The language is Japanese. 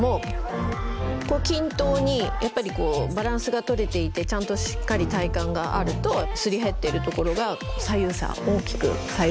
均等にやっぱりバランスがとれていてちゃんとしっかり体幹があるとすり減ってるところが左右差大きく左右差がなく。